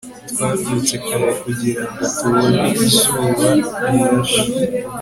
twabyutse kare kugirango tubone izuba rirashe